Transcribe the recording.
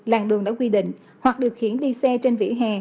làng đường đã quy định hoặc điều khiển đi xe trên vỉa hè